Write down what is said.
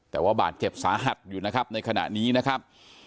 แต่ว่าบาดเจ็บสาหัสอยู่นะครับในขณะนี้นะครับ